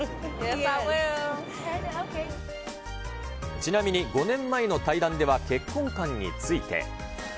ちなみに５年前の対談では結婚観について。